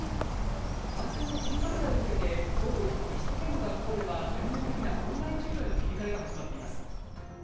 感染の急拡大を受けて、ソウルを含む首都圏の学校では、全面的なオンライン授業への切り替えが始まっています。